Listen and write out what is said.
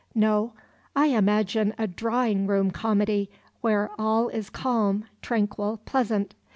No, I imagine a drawing room comedy where all is calm, tranquil, pleasant.